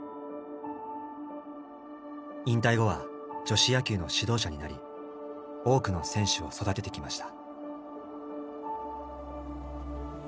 引退後は女子野球の指導者になり多くの選手を育ててきました。